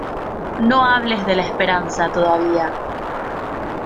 No hables de la esperanza, todavía.